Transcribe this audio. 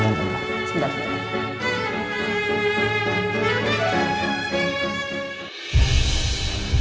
tadi mau tante